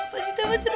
pasti taman seru